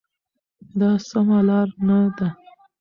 دا سمه لار نه ده.